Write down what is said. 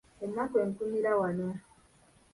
Ennaku enkunyira wano.